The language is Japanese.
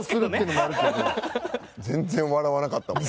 全然笑わなかったもん。